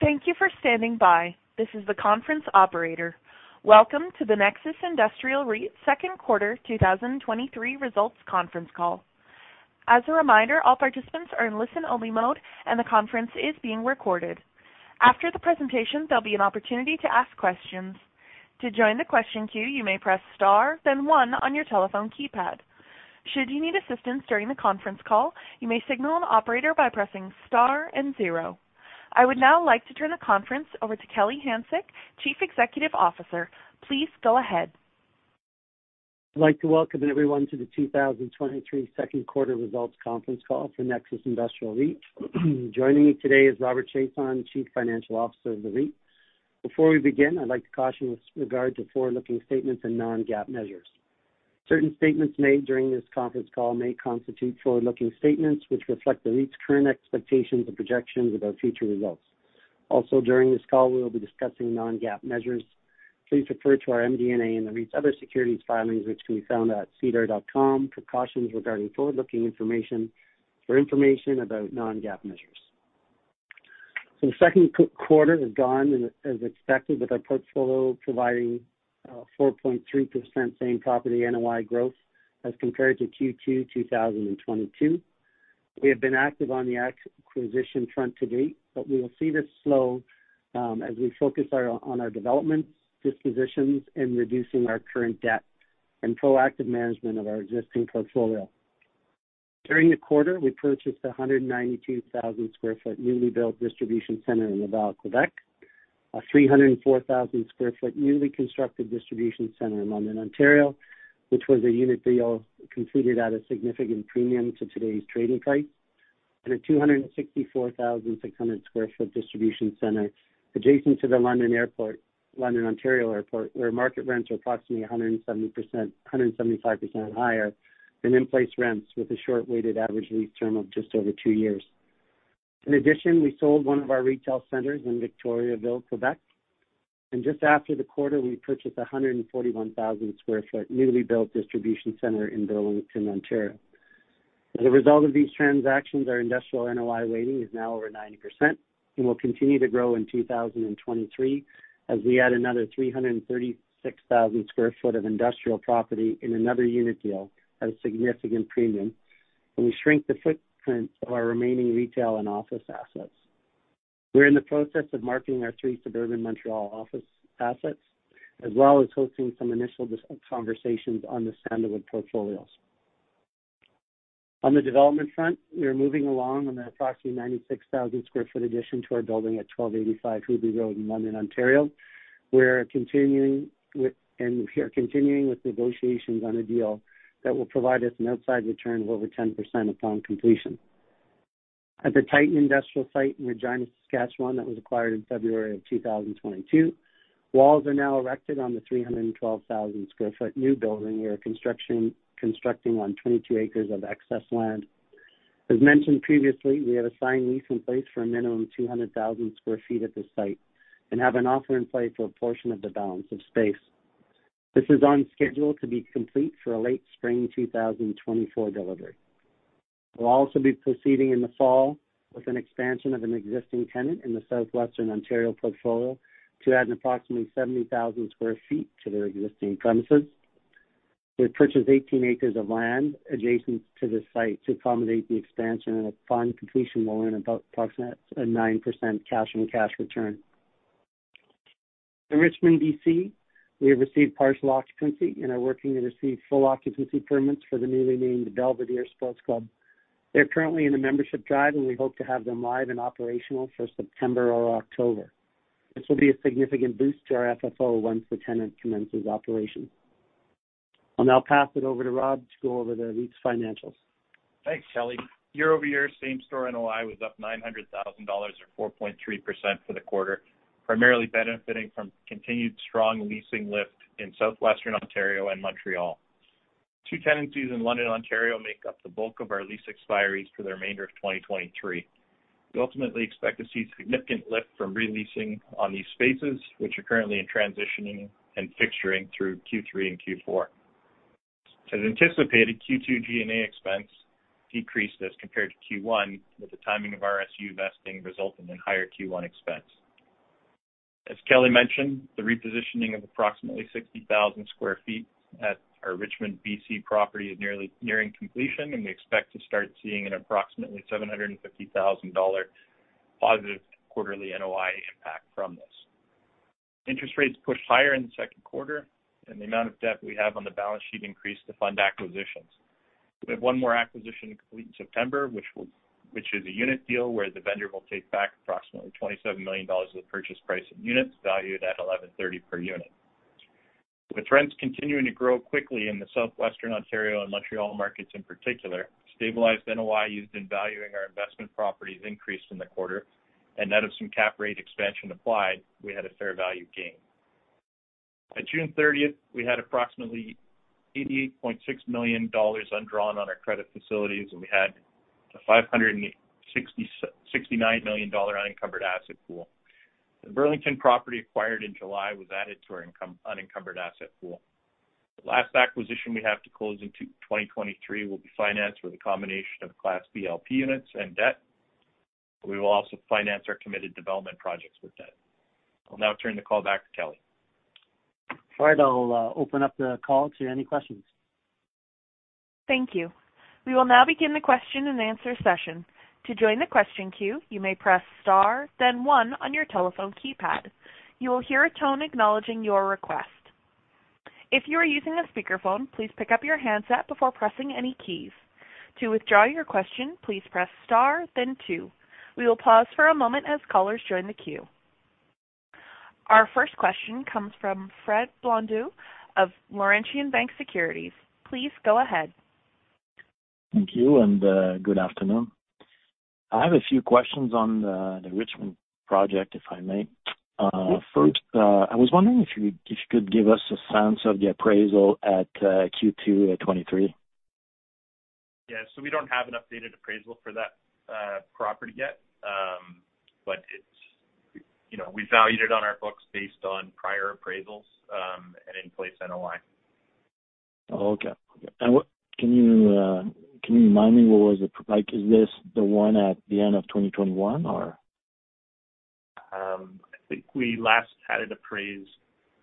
Thank you for standing by. This is the conference operator. Welcome to the Nexus Industrial REIT's second quarter, 2023 results conference call. As a reminder, all participants are in listen-only mode, and the conference is being recorded. After the presentation, there'll be an opportunity to ask questions. To join the question queue, you may press star, then one on your telephone keypad. Should you need assistance during the conference call, you may signal an operator by pressing star and zero. I would now like to turn the conference over to Kelly Hanczyk, Chief Executive Officer. Please go ahead. I'd like to welcome everyone to the 2023 second quarter results conference call for Nexus Industrial REIT. Joining me today is Robert Chiasson, Chief Financial Officer of the REIT. Before we begin, I'd like to caution with regard to forward-looking statements and non-GAAP measures. Certain statements made during this conference call may constitute forward-looking statements, which reflect the REIT's current expectations and projections about future results. During this call, we will be discussing non-GAAP measures. Please refer to our MD&A and the REIT's other securities filings, which can be found at sedar.com for cautions regarding forward-looking information, for information about non-GAAP measures. The second quarter has gone as expected, with our portfolio providing 4.3% same-property NOI growth as compared to Q2 2022. We have been active on the acquisition front to date, we will see this slow as we focus on our developments, dispositions, and reducing our current debt and proactive management of our existing portfolio. During the quarter, we purchased a 192,000 sq. ft. newly built distribution center in Laval, Quebec, a 304,000 sq. ft. newly constructed distribution center in London, Ontario, which was a unit deal completed at a significant premium to today's trading price, and a 264,600 sq. ft. distribution center adjacent to the London, Ontario, Airport, where market rents are approximately 175% higher than in-place rents, with a short weighted average lease term of just over two years. In addition, we sold one of our retail centers in Victoriaville, Quebec. Just after the quarter, we purchased a 141,000 sq ft newly built distribution center in Burlington, Ontario. As a result of these transactions, our industrial NOI weighting is now over 90% and will continue to grow in 2023 as we add another 336,000 sq ft of industrial property in another unit deal at a significant premium. We shrink the footprint of our remaining retail and office assets. We're in the process of marketing our three suburban Montreal office assets, as well as hosting some initial conversations on the Sandalwood portfolios. On the development front, we are moving along on the approximately 96,000 sq ft addition to our building at 1285 Ruby Road in London, Ontario. We're continuing with negotiations on a deal that will provide us an outside return of over 10% upon completion. At the Titan industrial site in Regina, Saskatchewan, that was acquired in February 2022, walls are now erected on the 312,000 sq ft new building we are constructing on 22 acres of excess land. As mentioned previously, we have a signed lease in place for a minimum 200,000 sq ft at this site and have an offer in place for a portion of the balance of space. This is on schedule to be complete for a late spring 2024 delivery. We'll also be proceeding in the fall with an expansion of an existing tenant in the Southwestern Ontario portfolio to add an approximately 70,000 sq ft to their existing premises. We've purchased 18 acres of land adjacent to the site to accommodate the expansion and upon completion will earn about approximate a 9% cash-on-cash return. In Richmond, BC, we have received partial occupancy and are working to receive full occupancy permits for the newly named Belvedere Sports Club. They're currently in a membership drive, and we hope to have them live and operational for September or October. This will be a significant boost to our FFO once the tenant commences operations. I'll now pass it over to Rob to go over the REIT's financials. Thanks, Kelly. Year-over-year, same-store NOI was up 900,000 dollars or 4.3% for the quarter, primarily benefiting from continued strong leasing lift in Southwestern Ontario and Montreal. Two tenancies in London, Ontario, make up the bulk of our lease expiries for the remainder of 2023. We ultimately expect to see significant lift from re-leasing on these spaces, which are currently in transitioning and fixturing through Q3 and Q4. As anticipated, Q2 G&A expense decreased as compared to Q1, with the timing of RSU vesting resulting in higher Q1 expense. As Kelly mentioned, the repositioning of approximately 60,000 sq. ft. at our Richmond, BC, property is nearing completion, and we expect to start seeing an approximately 750,000 dollar positive quarterly NOI impact from this. Interest rates pushed higher in the second quarter. The amount of debt we have on the balance sheet increased to fund acquisitions. We have one more acquisition to complete in September, which is a unit deal where the vendor will take back approximately 27 million dollars of the purchase price in units valued at 11.30 per unit. With rents continuing to grow quickly in the Southwestern Ontario and Montreal markets in particular, stabilized NOI used in valuing our investment properties increased in the quarter, and net of some cap rate expansion applied, we had a fair value gain. By June 30th, we had approximately 88.6 million dollars undrawn on our credit facilities, and we had a 569 million dollar unencumbered asset pool. The Burlington property acquired in July was added to our unencumbered asset pool. The last acquisition we have to close in 2023 will be financed with a combination of Class B LP Units and debt. We will also finance our committed development projects with debt. I'll now turn the call back to Kelly. All right, I'll open up the call to any questions. Thank you. We will now begin the question and answer session. To join the question queue, you may press star the one on your telephone keypad. You will hear a tone acknowledging your request. If you are using a speakerphone, please pick up your handset before pressing any keys. To withdraw your question, please press star then two. We will pause for a moment as callers join the queue. Our first question comes from Fred Blondeau of Laurentian Bank Securities. Please go ahead. Thank you. Good afternoon. I have a few questions on the Richmond project, if I may. Yes. First, I was wondering if you, if you could give us a sense of the appraisal at Q2 at 2023? Yeah. We don't have an updated appraisal for that, property yet. It's, you know, we value it on our books based on prior appraisals, and in place NOI. Oh, okay. What- can you, can you remind me what was the... Like, is this the one at the end of 2021, or? I think we last had it appraised.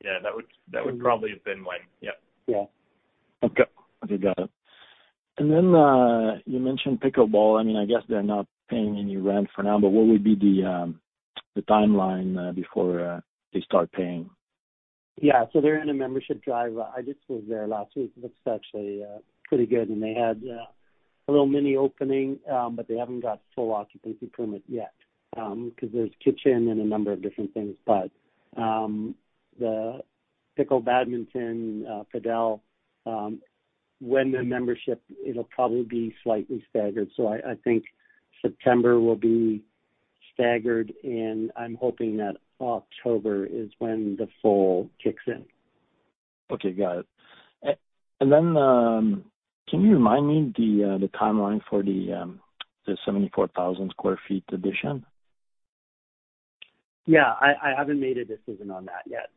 Yeah, that would, that would probably have been when. Yep. Yeah. Okay. Okay, got it. You mentioned pickleball. I mean, I guess they're not paying any rent for now, but what would be the timeline before they start paying? Yeah. They're in a membership drive. I just was there last week. It looks actually pretty good, and they had a little mini opening, but they haven't got full occupancy permit yet, because there's kitchen and a number of different things. The pickle badminton paddle, when the membership, it'll probably be slightly staggered. I, I think September will be staggered, and I'm hoping that October is when the full kicks in. Okay, got it. Then, can you remind me the, the timeline for the, the 74,000 sq. ft. addition? Yeah, I, I haven't made a decision on that yet.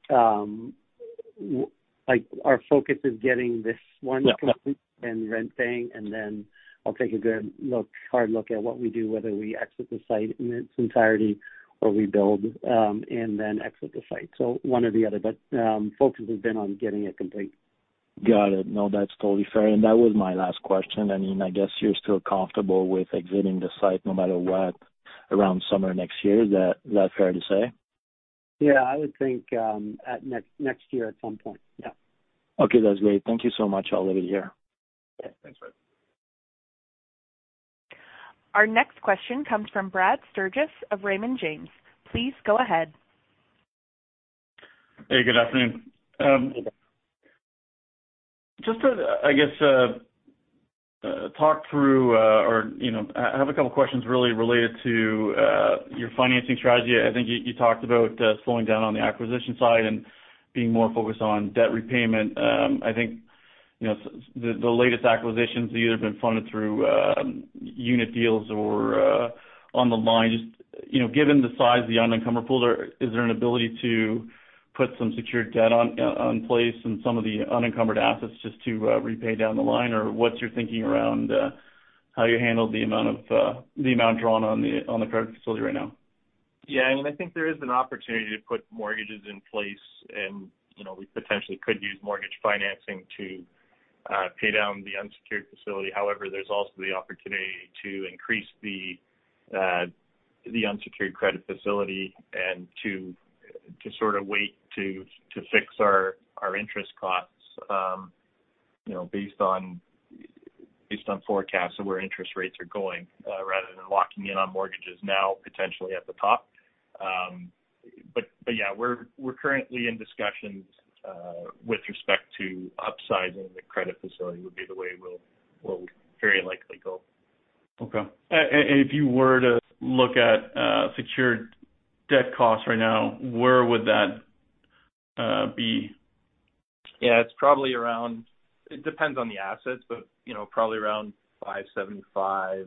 like, our focus is getting this one- Yeah - complete and renting, and then I'll take a good look, hard look at what we do, whether we exit the site in its entirety or we build, and then exit the site. One or the other. Focus has been on getting it complete. Got it. No, that's totally fair, and that was my last question. I mean, I guess you're still comfortable with exiting the site no matter what, around summer next year. Is that, is that fair to say? Yeah, I would think, at next, next year at some point. Yeah. Okay, that's great. Thank you so much. I'll leave it here. Thanks, Fred. Our next question comes from Brad Sturges of Raymond James. Please go ahead. Hey, good afternoon. Just to, I guess, talk through, or, you know, I have a couple of questions really related to your financing strategy. I think you, you talked about slowing down on the acquisition side and being more focused on debt repayment. I think, you know, the, the latest acquisitions have either been funded through unit deals or on the line. Just, you know, given the size of the unencumbered pool, is there an ability to put some secured debt on place and some of the unencumbered assets just to repay down the line? Or what's your thinking around how you handle the amount of the amount drawn on the credit facility right now? Yeah, I think there is an opportunity to put mortgages in place and, you know, we potentially could use mortgage financing to pay down the unsecured facility. However, there's also the opportunity to increase the unsecured credit facility and to, to sort of wait to, to fix our, our interest costs, you know, based on, based on forecasts of where interest rates are going, rather than locking in on mortgages now, potentially at the top. But yeah, we're, we're currently in discussions with respect to upsizing the credit facility, would be the way we'll, we'll very likely go. Okay. If you were to look at, secured debt costs right now, where would that, be? Yeah, it's probably around. It depends on the assets, but, you know, probably around 5.75%,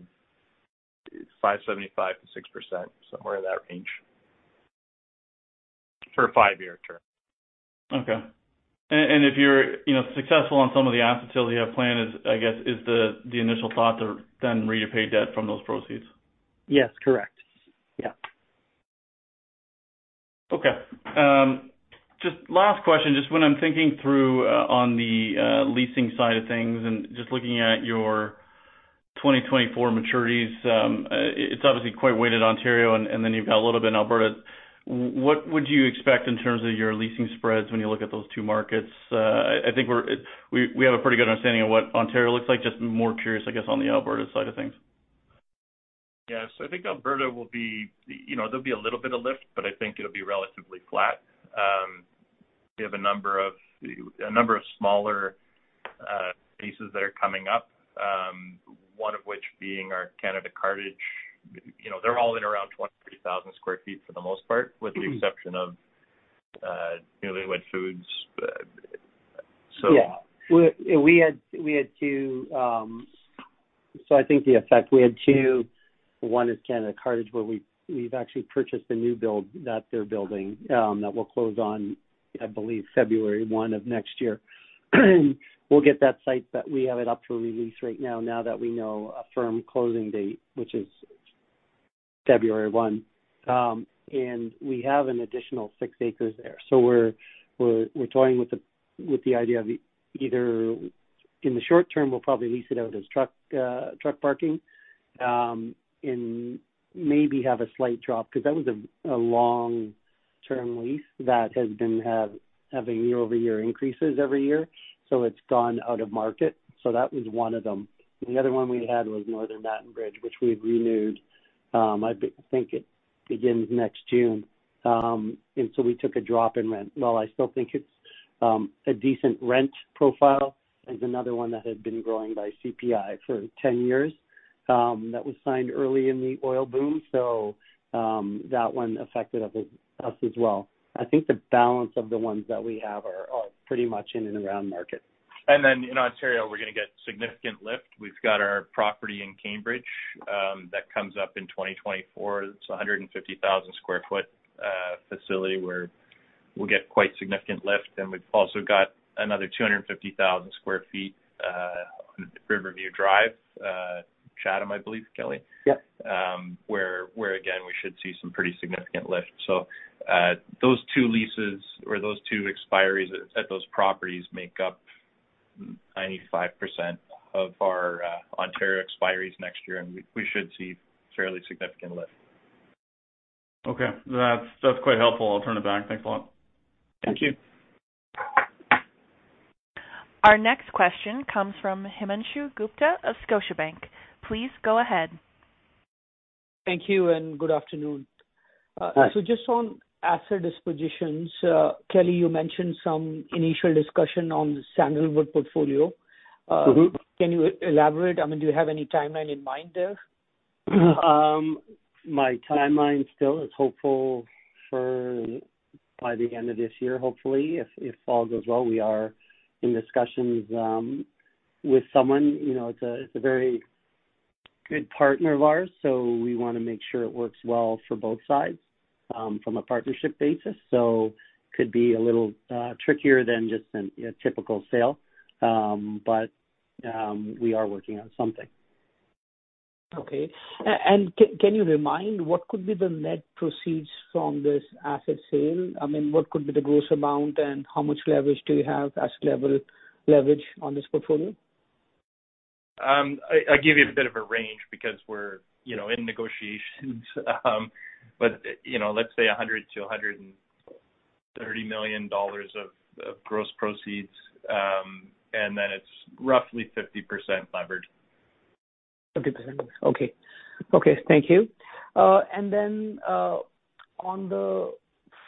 5.75%-6%, somewhere in that range for a five-year term. Okay. And if you're, you know, successful on some of the asset sales you have planned, is, I guess, is the initial thought to then repay debt from those proceeds? Yes, correct. Yeah. Okay. Just last question, just when I'm thinking through, on the leasing side of things and just looking at your 2024 maturities, it's obviously quite weighted Ontario, and, and then you've got a little bit in Alberta. What would you expect in terms of your leasing spreads when you look at those two markets? I think we're, we have a pretty good understanding of what Ontario looks like, just more curious, I guess, on the Alberta side of things. Yeah. I think Alberta will be, you know, there'll be a little bit of lift, but I think it'll be relatively flat. We have a number of, a number of smaller, leases that are coming up, one of which being our Canada Cartage. You know, they're all in around 20,000 sq. ft for the most part, with the exception of, Newly Weds Foods. Yeah. We had, we had two. I think the effect, we had two. One is Canada Cartage, where we, we've actually purchased a new build that they're building, that will close on, I believe, February 1 of next year. We'll get that site, but we have it up for release right now, now that we know a firm closing date, which is February 1. We have an additional six acres there. We're, we're, we're toying with the, with the idea of either in the short term, we'll probably lease it out as truck, truck parking, and maybe have a slight drop, 'cause that was a long-term lease that has been having year-over-year increases every year, so it's gone out of market. That was one of them. The other one we had was Northern Mat & Bridge, which we've renewed. I think it begins next June. We took a drop in rent. Well, I still think it's a decent rent profile. There's another one that had been growing by CPI for 10 years that was signed early in the oil boom. That one affected us as well. I think the balance of the ones that we have are pretty much in and around market. Then in Ontario, we're gonna get significant lift. We've got our property in Cambridge, that comes up in 2024. It's a 150,000 sq. ft facility where we'll get quite significant lift. We've also got another 250,000 sq. ft on Riverview Drive, Chatham, I believe, Kelly? Yep. Where, where again, we should see some pretty significant lift. Those two leases or those two expiries at those properties make up 95% of our Ontario expiries next year, and we, we should see fairly significant lift. Okay. That's, that's quite helpful. I'll turn it back. Thanks a lot. Thank you. Our next question comes from Himanshu Gupta of Scotiabank. Please go ahead. Thank you and good afternoon. Hi. Just on asset dispositions, Kelly, you mentioned some initial discussion on the Sandalwood portfolio. Can you e-elaborate? I mean, do you have any timeline in mind there? My timeline still is hopeful for by the end of this year. Hopefully, if all goes well, we are in discussions, with someone. You know, it's a, it's a very good partner of ours, so we want to make sure it works well for both sides, from a partnership basis. Could be a little trickier than just a typical sale. We are working on something. Okay. Can you remind, what could be the net proceeds from this asset sale? I mean, what could be the gross amount, and how much leverage do you have, asset level leverage on this portfolio? I, I'll give you a bit of a range because we're, you know, in negotiations, but, you know, let's say 100 million-130 million dollars of, of gross proceeds, and then it's roughly 50% leveraged. 50%. Okay. Okay, thank you. Then, on the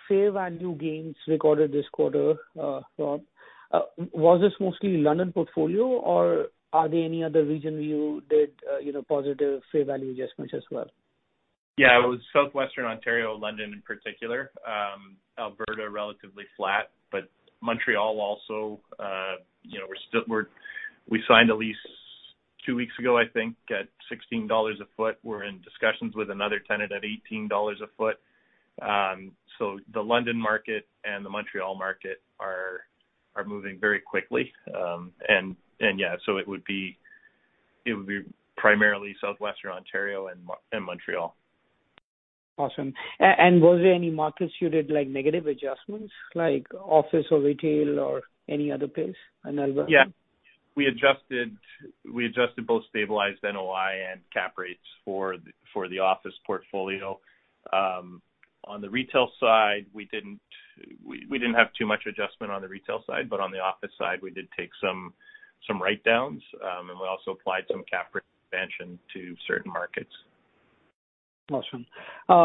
fair value gains recorded this quarter, so, was this mostly London portfolio, or are there any other region you did, you know, positive fair value adjustments as well? Yeah, it was Southwestern Ontario, London in particular. Alberta, relatively flat, but Montreal also, you know, we're still, we signed a lease two weeks ago, I think, at 16 dollars a foot. We're in discussions with another tenant at 18 dollars a foot. The London market and the Montreal market are, are moving very quickly. Yeah, so it would be, it would be primarily Southwestern Ontario and Montreal. Awesome. Was there any markets you did, like, negative adjustments, like office or retail or any other place in Alberta? Yeah. We adjusted, we adjusted both stabilized NOI and cap rates for the, for the office portfolio. On the retail side, we didn't, we, we didn't have too much adjustment on the retail side, but on the office side, we did take some, some write-downs, and we also applied some cap expansion to certain markets. Awesome.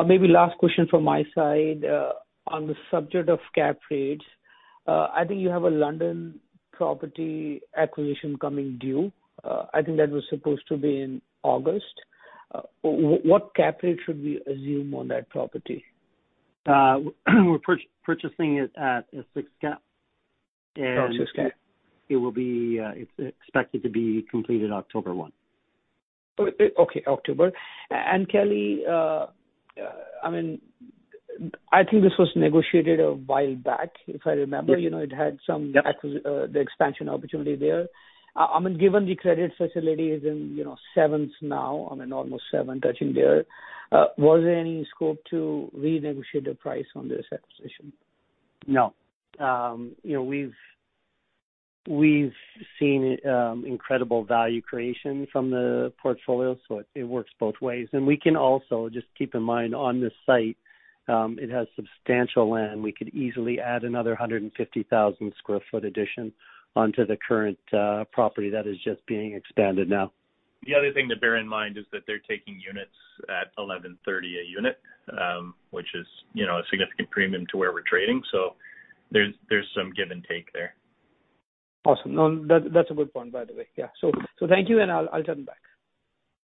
Maybe last question from my side. On the subject of cap rates, I think you have a London property acquisition coming due. I think that was supposed to be in August. What cap rate should we assume on that property? We're purchasing it at a six cap, and. Oh, six cap. It will be, it's expected to be completed October one. Oh, okay, October. Kelly, I mean, I think this was negotiated a while back, if I remember. Yes. You know, it had some- Yep... the expansion opportunity there. I mean, given the credit facility is in, you know, sevens now, I mean, almost seven touching there, was there any scope to renegotiate the price on this acquisition? No. you know, we've seen incredible value creation from the portfolio, so it works both ways. We can also, just keep in mind, on this site, it has substantial land. We could easily add another 150,000 sq ft addition onto the current property that is just being expanded now. The other thing to bear in mind is that they're taking units at 11.30 a unit, which is, you know, a significant premium to where we're trading. There's, there's some give and take there. Awesome. No, that, that's a good point, by the way. Yeah. Thank you, and I'll, I'll turn back.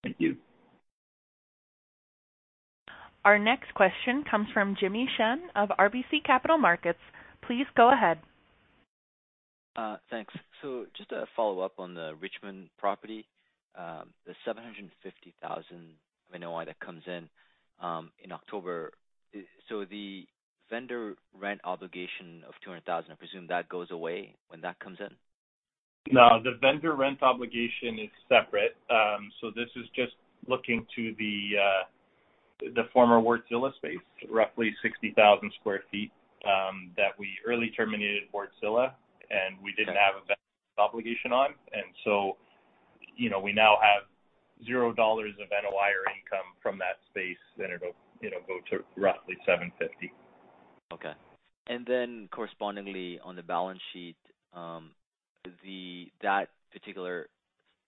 Thank you. Our next question comes from Jimmy Shen of RBC Capital Markets. Please go ahead. Thanks. Just a follow-up on the Richmond property, the 750,000 NOI that comes in, in October. The vendor rent obligation of 200,000, I presume that goes away when that comes in? No, the vendor rent obligation is separate. This is just looking to the, the former Wartsila space, roughly 60,000 sq ft, that we early terminated Wartsila, and we didn't have a vendor obligation on. You know, we now have 0 dollars of NOI or income from that space, then it'll, you know, go to roughly 750. Okay. Then correspondingly on the balance sheet, that particular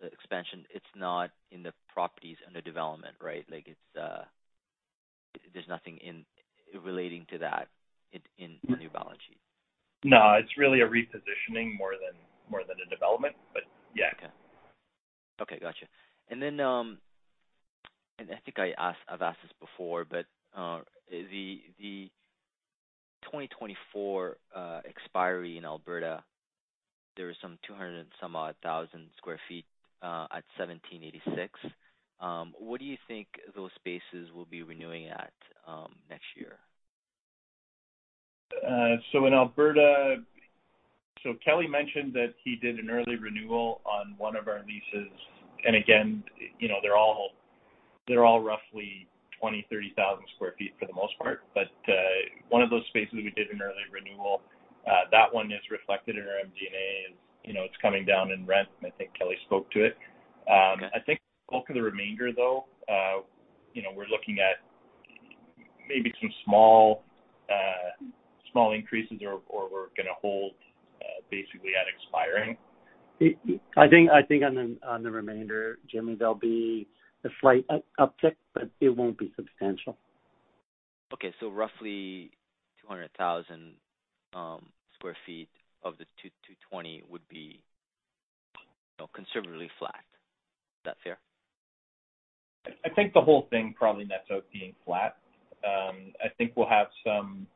expansion, it's not in the properties under development, right? Like, it's, there's nothing relating to that in the new balance sheet. No, it's really a repositioning more than, more than a development, but yeah. Okay. Okay, got you. Then, I've asked this before, but the 2024 expiry in Alberta, there was some 200 and some odd thousand sq ft at 1786. What do you think those spaces will be renewing at next year? In Alberta... Kelly mentioned that he did an early renewal on one of our leases. Again, you know, they're all, they're all roughly 20,000-30,000 sq ft for the most part. One of those spaces, we did an early renewal, that one is reflected in our MD&A, and, you know, it's coming down in rent, and I think Kelly spoke to it. I think most of the remainder, though, you know, we're looking at maybe some small, small increases or, or we're going to hold, basically at expiring. I think, I think on the, on the remainder, Jimmy, there'll be a slight uptick, but it won't be substantial. Okay, so roughly 200,000 square feet of the 220,000 would be considerably flat. Is that fair? I think the whole thing probably nets out being flat. I think we'll have some,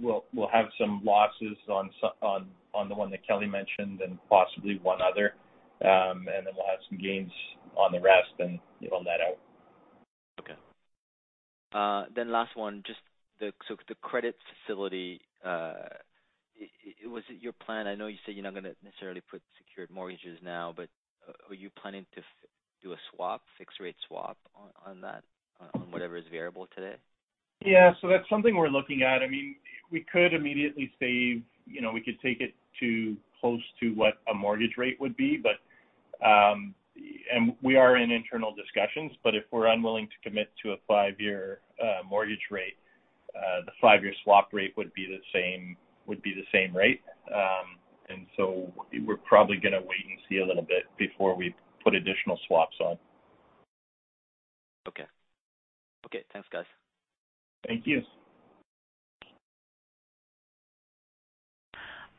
we'll have some losses on the one that Kelly mentioned and possibly one other, and then we'll have some gains on the rest, and it'll net out. Okay. last one, just the, so the credit facility, was it your plan? I know you said you're not going to necessarily put secured mortgages now, but, are you planning to do a swap, fixed-rate swap on, on that, on whatever is variable today? Yeah, that's something we're looking at. I mean, we could immediately say, you know, we could take it to close to what a mortgage rate would be, but, and we are in internal discussions, but if we're unwilling to commit to a five-year mortgage rate, the five-year swap rate would be the same, would be the same rate. We're probably going to wait and see a little bit before we put additional swaps on. Okay. Okay, thanks, guys. Thank you.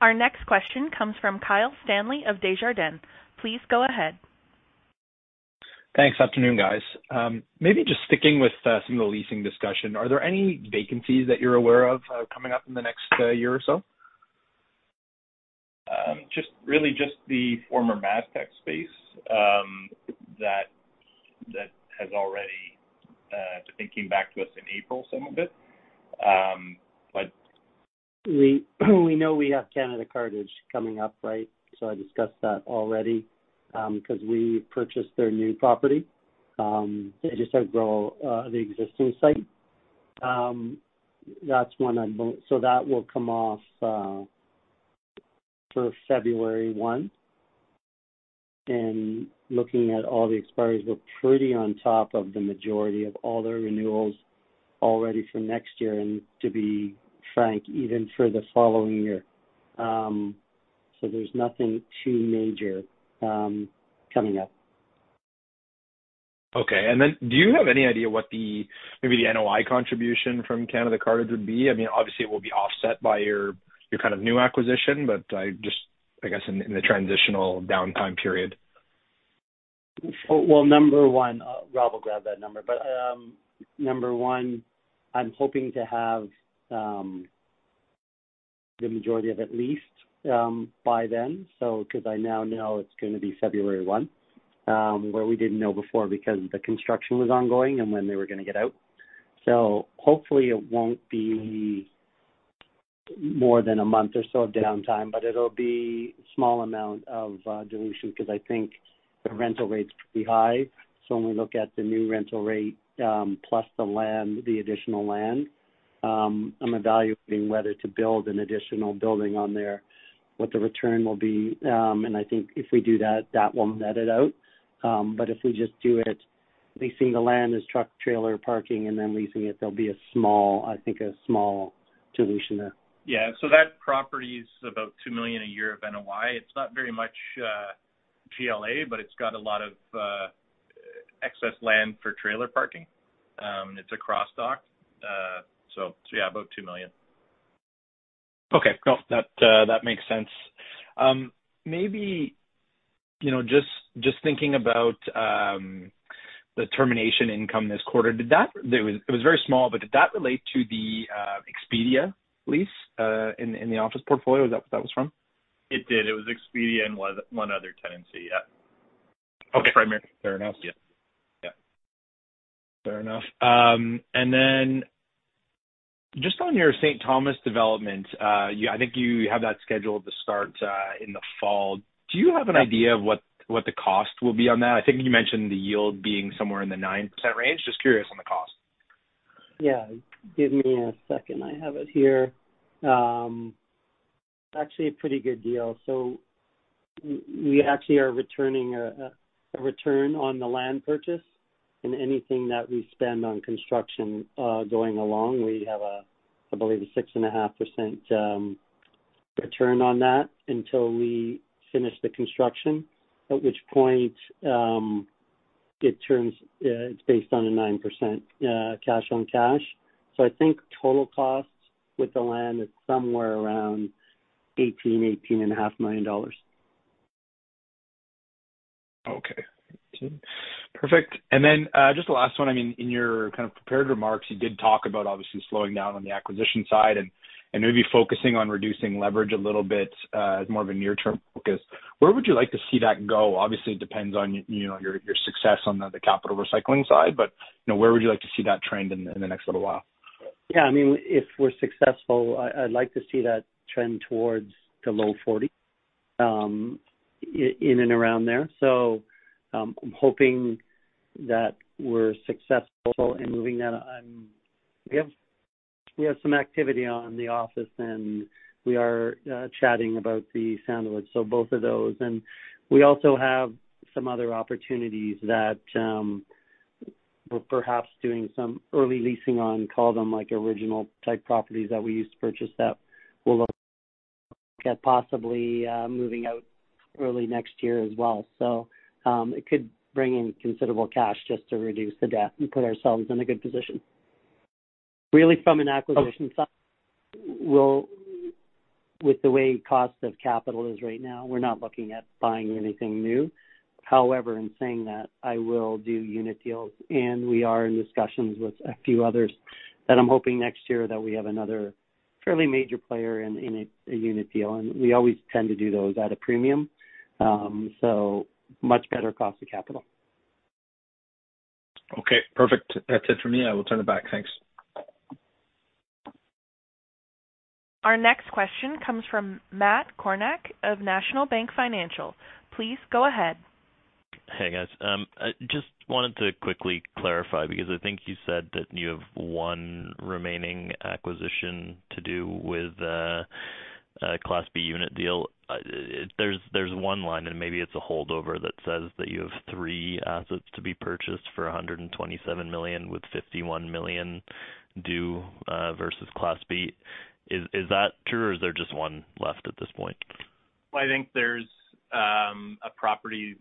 Our next question comes from Kyle Stanley of Desjardins. Please go ahead. Thanks. Afternoon, guys. Maybe just sticking with some of the leasing discussion. Are there any vacancies that you're aware of, coming up in the next one year or so? Just, really just the former Mastech space, that, that has already been coming back to us in April, some of it. We, we know we have Canada Cartage coming up, right? I discussed that already, because we purchased their new property. They just had to grow the existing site. That's one I built. That will come off for February 1. Looking at all the expiries, we're pretty on top of the majority of all the renewals already for next year, and to be frank, even for the following year. There's nothing too major, coming up. Okay. Do you have any idea what the, maybe the NOI contribution from Canada Cartage would be? I mean, obviously, it will be offset by your, your kind of new acquisition, but I just, I guess, in, in the transitional downtime period. Well, number one, Rob will grab that number. Number one, I'm hoping to have the majority of at least by then because I now know it's going to be February 1 where we didn't know before because the construction was ongoing and when they were going to get out. Hopefully, it won't be more than 1 month or so of downtime, but it'll be a small amount of dilution because I think the rental rates pretty high. When we look at the new rental rate, plus the land, the additional land, I'm evaluating whether to build an additional building on there, what the return will be. I think if we do that, that will net it out. If we just do it, leasing the land as truck, trailer, parking, and then leasing it, there'll be a small, I think, a small dilution there. Yeah, that property is about 2 million a year of NOI. It's not very much, GLA, but it's got a lot of, excess land for trailer parking. It's a cross-dock. Yeah, about 2 million. Okay, cool. That makes sense. Maybe, you know, just, just thinking about the termination income this quarter. It was, it was very small, but did that relate to the Expedia lease, in, in the office portfolio? Is that what that was from? It did. It was Expedia and one, one other tenancy, yeah. Okay. Primarily. Fair enough. Yeah. Yeah. Fair enough. Then just on your St. Thomas development, I think you have that scheduled to start, in the fall. Do you have an idea of what, what the cost will be on that? I think you mentioned the yield being somewhere in the 9% range. Just curious on the cost. Yeah. Give me a second. I have it here. Actually a pretty good deal. We actually are returning a return on the land purchase and anything that we spend on construction going along. We have, I believe, a 6.5% return on that until we finish the construction, at which point it turns, it's based on a 9% cash on cash. I think total costs with the land is somewhere around $18 million-$18.5 million. Okay. Perfect. Just the last one, I mean, in your kind of prepared remarks, you did talk about obviously slowing down on the acquisition side and, and maybe focusing on reducing leverage a little bit as more of a near-term focus. Where would you like to see that go? Obviously, it depends on, you know, your, your success on the capital recycling side, but, you know, where would you like to see that trend in, in the next little while? Yeah, I mean, if we're successful, I, I'd like to see that trend towards the low 40, in and around there. I'm hoping that we're successful in moving that on. We have, we have some activity on the office, and we are chatting about the Sandalwood, so both of those. We also have some other opportunities that we're perhaps doing some early leasing on, call them like original type properties that we used to purchase that we'll look at possibly moving out early next year as well. It could bring in considerable cash just to reduce the debt and put ourselves in a good position. Really, from an acquisition side, we'll-- with the way cost of capital is right now, we're not looking at buying anything new. However, in saying that, I will do unit deals, and we are in discussions with a few others that I'm hoping next year that we have another fairly major player in, in a, a unit deal, and we always tend to do those at a premium. Much better cost of capital. Okay, perfect. That's it for me. I will turn it back. Thanks. Our next question comes from Matt Kornack of National Bank Financial. Please go ahead. Hey, guys. I just wanted to quickly clarify, because I think you said that you have one remaining acquisition to do with a Class B unit deal. There's, there's one line, and maybe it's a holdover, that says that you have three assets to be purchased for 127 million, with 51 million due versus Class B. Is, is that true, or is there just one left at this point? Well, I think there's a property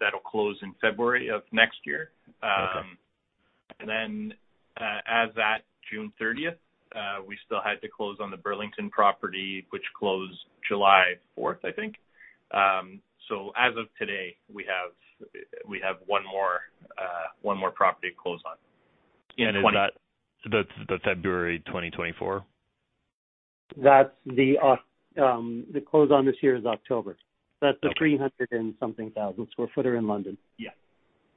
that'll close in February of next year. Okay. As at June 30th, we still had to close on the Burlington property, which closed July 4th, I think. As of today, we have, we have one more, one more property to close on. And is that- Twenty- That's the February 2024? That's the close on this year is October. Okay. That's the 300 and something thousand square footer in London. Yeah.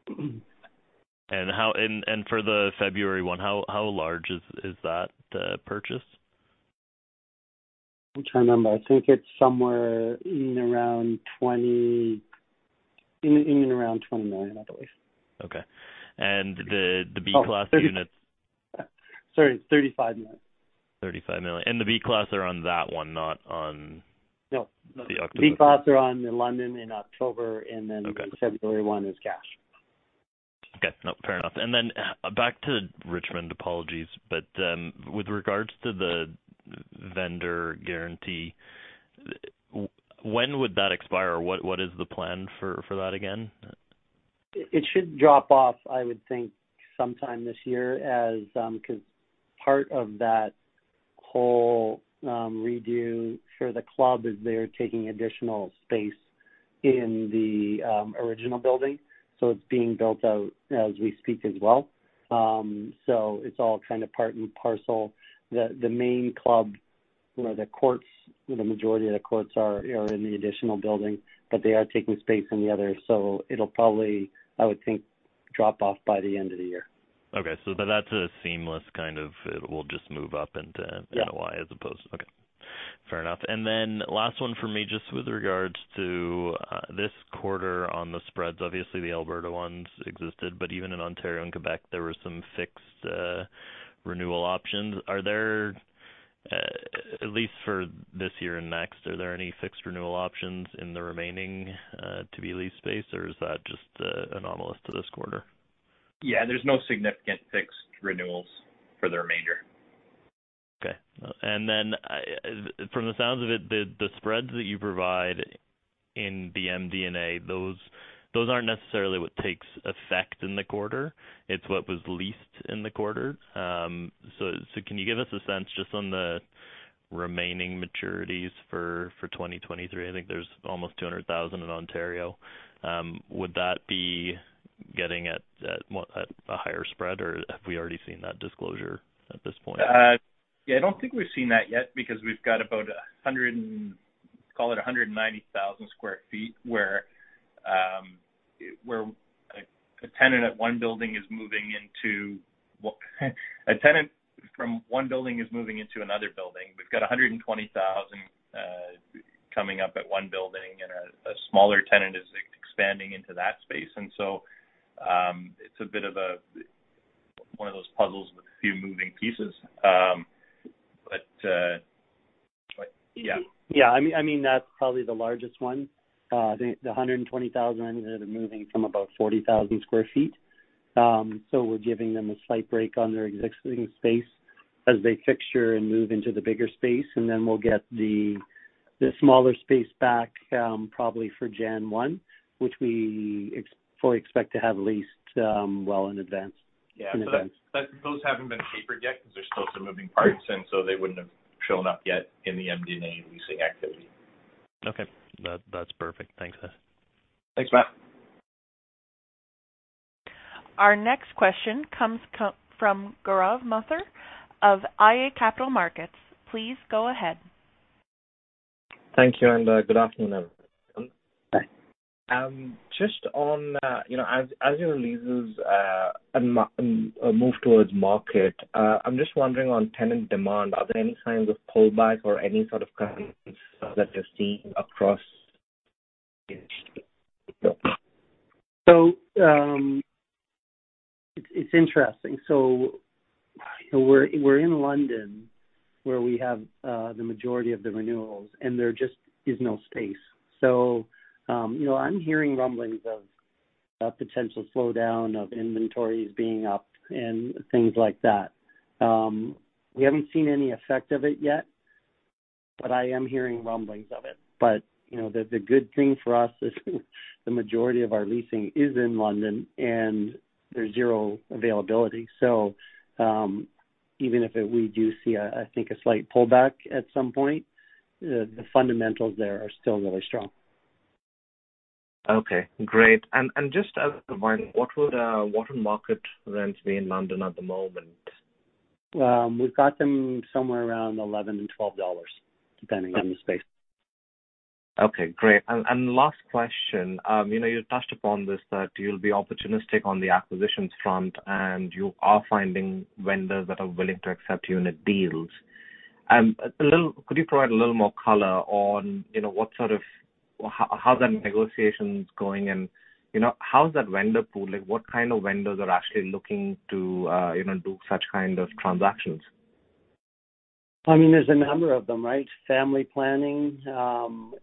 For the February one, how large is that purchase? I'm trying to remember. I think it's somewhere in around 20 million, I believe. Okay. the, the B Class units- Sorry, 35 million. 35 million. The Class B are on that one, not on- No the October 1. B class are on the London in October, and then- Okay. The February 1 is cash. Okay. No, fair enough. Then back to Richmond. Apologies, with regards to the vendor guarantee, when would that expire, or what, what is the plan for that again? It, it should drop off, I would think, sometime this year, as because part of that whole redo for the club is they're taking additional space in the original building, so it's being built out as we speak as well. It's all kind of part and parcel. The, the main club, you know, the courts, the majority of the courts are, are in the additional building, but they are taking space in the other. It'll probably, I would think, drop off by the end of the year. Okay. That's a seamless kind of it will just move up into... Yeah NOI as opposed to. Okay, fair enough. Last one for me, just with regards to this quarter on the spreads. Obviously, the Alberta ones existed, but even in Ontario and Quebec, there were some fixed renewal options. Are there, at least for this year and next, are there any fixed renewal options in the remaining to-be-leased space or is that just anomalous to this quarter? Yeah, there's no significant fixed renewals for the remainder. Okay. Then, from the sounds of it, the, the spreads that you provide in the MD&A, those, those aren't necessarily what takes effect in the quarter, it's what was leased in the quarter. Can you give us a sense just on the remaining maturities for 2023? I think there's almost 200,000 in Ontario. Would that be getting at a higher spread, or have we already seen that disclosure at this point? Yeah, I don't think we've seen that yet, because we've got about call it 190,000 sq ft, where a tenant from one building is moving into another building. We've got 120,000 coming up at one building, and a smaller tenant is expanding into that space. It's a bit of a, one of those puzzles with a few moving pieces. Yeah. Yeah. I mean, I mean, that's probably the largest one. The 120,000, they're moving from about 40,000 sq ft. We're giving them a slight break on their existing space as they fixture and move into the bigger space, and then we'll get the smaller space back, probably for January 1, which we fully expect to have leased, well in advance. Yeah. Those haven't been papered yet because there's still some moving parts, and so they wouldn't have shown up yet in the MD&A leasing activity. Okay. That, that's perfect. Thanks, guys. Thanks, Matt. Our next question comes from Gaurav Mathur of iA Capital Markets. Please go ahead. Thank you, and, good afternoon, everyone. Hi. Just on, you know, as, as your leases, and move towards market, I'm just wondering on tenant demand, are there any signs of pullback or any sort of trends that you're seeing across? It's, it's interesting. We're, we're in London, where we have, the majority of the renewals, and there just is no space. You know, I'm hearing rumblings of a potential slowdown, of inventories being up and things like that. We haven't seen any effect of it yet, but I am hearing rumblings of it. You know, the, the good thing for us is the majority of our leasing is in London, and there's zero availability. Even if we do see a, I think, a slight pullback at some point, the, the fundamentals there are still really strong. Okay, great. and just out of mind, what would what are market rents be in London at the moment? We've got them somewhere around 11 and 12 dollars, depending on the space. Okay, great. Last question. You know, you touched upon this, that you'll be opportunistic on the acquisitions front, and you are finding vendors that are willing to accept unit deals. A little, could you provide a little more color on, you know, what sort of, or how, how are the negotiations going? You know, how's that vendor pool? Like, what kind of vendors are actually looking to, you know, do such kind of transactions? I mean, there's a number of them, right? Family planning,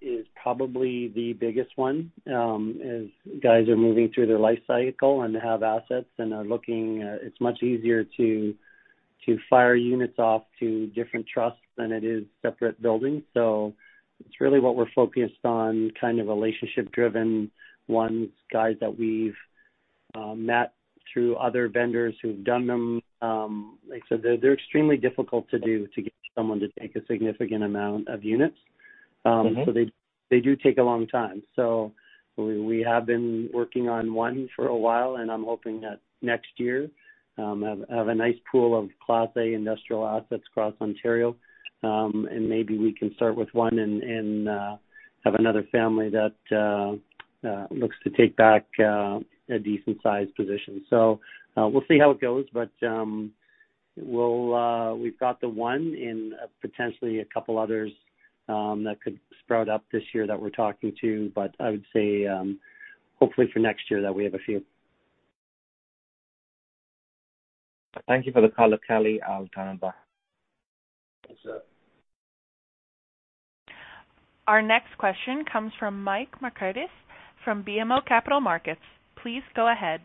is probably the biggest one. As guys are moving through their life cycle and have assets and are looking, it's much easier to, to fire units off to different trusts than it is separate buildings. It's really what we're focused on, kind of relationship-driven ones, guys that we've, met through other vendors who've done them. Like I said, they're, they're extremely difficult to do to get someone to take a significant amount of units. They, they do take a long time. We, we have been working on one for a while, and I'm hoping that next year, I'll have a nice pool of Class A industrial assets across Ontario. Maybe we can start with one and, and have another family that looks to take back a decent-sized position. We'll see how it goes, but we'll, we've got the one in potentially a couple others that could sprout up this year that we're talking to. I would say, hopefully for next year that we have a few. Thank you for the color, Kelly. I'll turn it back. Yes, sir. Our next question comes from Mike Markidis from BMO Capital Markets. Please go ahead.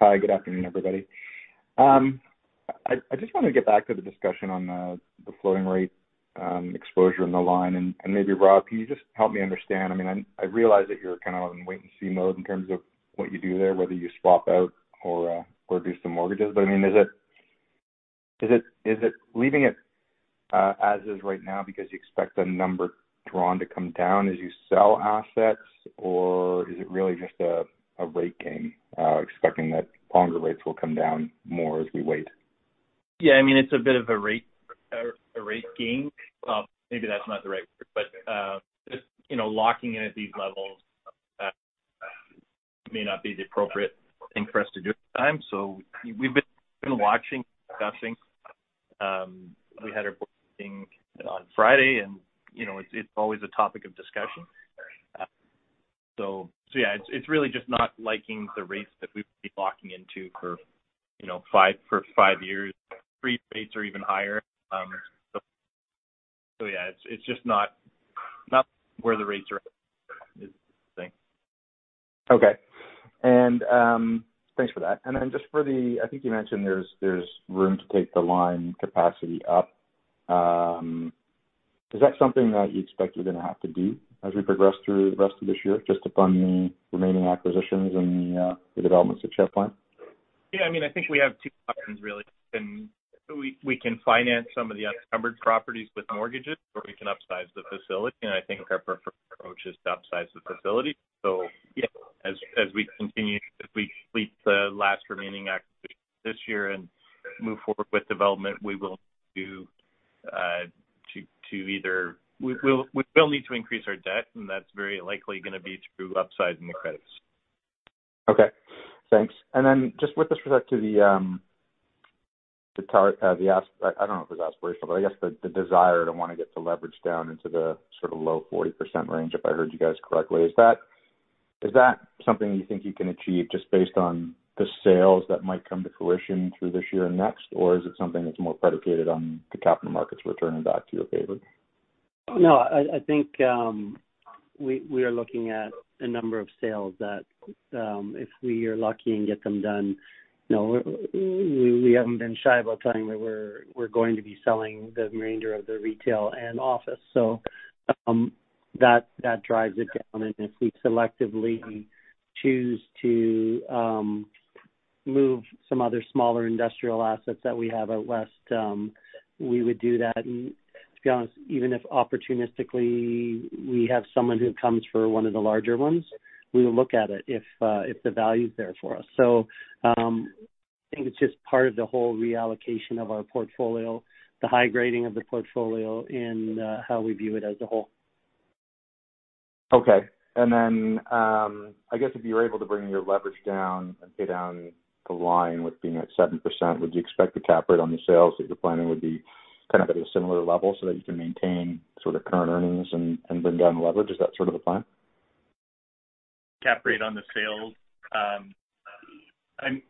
Hi, good afternoon, everybody. I, I just want to get back to the discussion on the floating rate exposure in the line. Maybe, Rob, can you just help me understand? I mean, I, I realize that you're kind of in wait and see mode in terms of what you do there, whether you swap out or do some mortgages. I mean, is it, is it, is it leaving it as is right now because you expect the number drawn to come down as you sell assets? Is it really just a rate game expecting that longer rates will come down more as we wait? Yeah, I mean, it's a bit of a rate, a rate game. Maybe that's not the right word, but, just, you know, locking in at these levels, may not be the appropriate thing for us to do at the time. We've been watching, discussing. We had a board meeting on Friday, and, you know, it's, it's always a topic of discussion. Yeah, it's really just not liking the rates that we would be locking into for, you know, five, for five years. Pre-rates are even higher. Yeah, it's just not, not where the rates are at, is the thing. Okay. Thanks for that. Just for the, I think you mentioned there's, there's room to take the line capacity up. Is that something that you expect you're going to have to do as we progress through the rest of this year, just to fund the remaining acquisitions and the developments at Chef Line? Yeah, I mean, I think we have two options really. We, we can finance some of the unencumbered properties with mortgages, or we can upsize the facility. I think our preferred approach is to upsize the facility. Yeah, as, as we continue, as we complete the last remaining acquisition this year and move forward with development, we will do, we will need to increase our debt, and that's very likely going to be through upsizing the credits. Okay, thanks. Then just with respect to the, the tar- the as- I, I don't know if it's aspirational, but I guess the, the desire to want to get the leverage down into the sort of low 40% range, if I heard you guys correctly. Is that, is that something you think you can achieve just based on the sales that might come to fruition through this year and next? Is it something that's more predicated on the capital markets returning back to your favor? No, I, I think, we, we are looking at a number of sales that, if we are lucky and get them done, you know, we, we haven't been shy about telling that we're, we're going to be selling the remainder of the retail and office. That, that drives it down. If we selectively choose to, move some other smaller industrial assets that we have out west, we would do that. To be honest, even if opportunistically, we have someone who comes for one of the larger ones, we will look at it if, if the value is there for us. I think it's just part of the whole reallocation of our portfolio, the high grading of the portfolio, and, how we view it as a whole. Okay. Then, I guess if you're able to bring your leverage down and pay down the line with being at 7%, would you expect the cap rate on the sales that you're planning would be kind of at a similar level so that you can maintain sort of current earnings and, and bring down the leverage? Is that sort of the plan? Cap rate on the sales?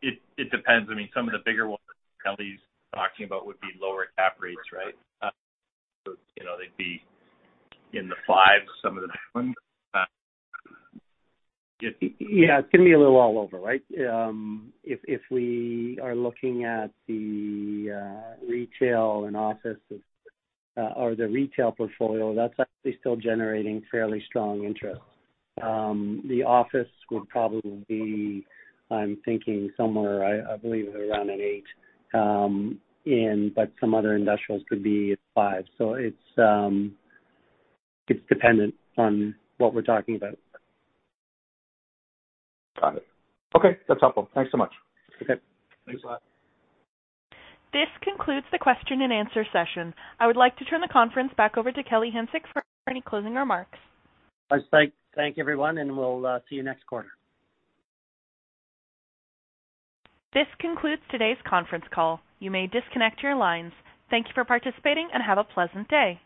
It, it depends. I mean, some of the bigger ones Kelly's talking about would be lower cap rates, right? You know, they'd be in the 5s, some of them. Yeah, it's going to be a little all over, right? If, if we are looking at the retail and offices, or the retail portfolio, that's actually still generating fairly strong interest. The office would probably be, I'm thinking, somewhere, I, I believe around an 8. Some other industrials could be at 5. It's, it's dependent on what we're talking about. Got it. Okay, that's helpful. Thanks so much. Okay. Thanks a lot. This concludes the question and answer session. I would like to turn the conference back over to Kelly Hanczyk for any closing remarks. I thank everyone, and we'll see you next quarter. This concludes today's conference call. You may disconnect your lines. Thank you for participating and have a pleasant day.